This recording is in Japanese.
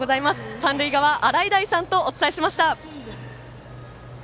三塁側、洗平さんとお伝えしました。